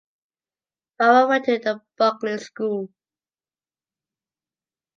Farrar went to The Buckley School.